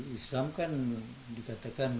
ya kan untuk kebenaran